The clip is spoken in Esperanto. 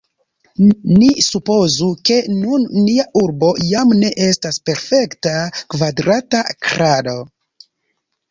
Ni supozu, ke nun nia urbo jam ne estas perfekta kvadrata krado.